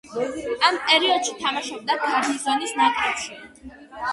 ამ პერიოდში თამაშობდა გარნიზონის ნაკრებში.